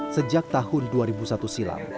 sejak tahun dua ribu satu silam